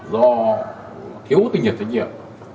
do thiếu tinh nhiệt